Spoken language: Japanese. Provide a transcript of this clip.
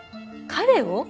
彼を？